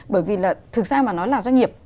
bởi vì là thực ra mà nói là doanh nghiệp